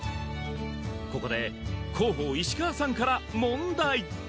ここで広報石川さんから問題！